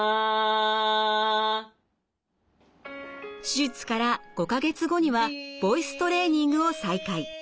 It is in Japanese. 手術から５か月後にはボイストレーニングを再開。